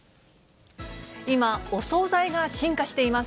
今、お総菜が進化しています。